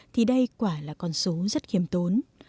thì đây quả là con số rất khiêm tốn